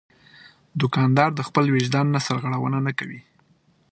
دوکاندار د خپل وجدان نه سرغړونه نه کوي.